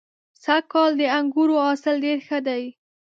سږ کال د انګورو حاصل ډېر ښه دی.